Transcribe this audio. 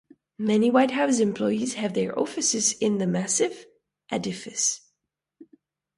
Many White House employees have their offices in the massive edifice.